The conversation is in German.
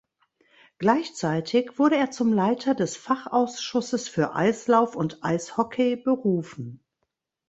Gleichzeitig wurde er zum Leiter des Fachausschusses für Eislauf und Eishockey berufen.